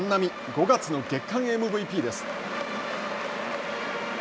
５月月間ＭＶＰです。